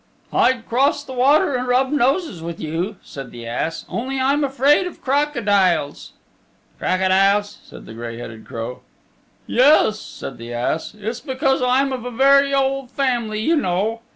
"I'd cross the water and rub noses with you," said the ass, "only I'm afraid of crocodiles." "Crocodiles?" said the gray headed crow. "Yes," said the ass. "It's because I'm of a very old family, you know.